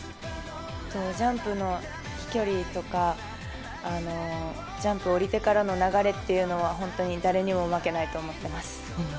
ジャンプの飛距離とかジャンプを降りてからの流れというのは本当に誰にも負けないと思っています。